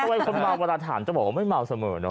ตัวไว้คนเมาประธานจะบอกว่าไม่เมาเสมอเนอะ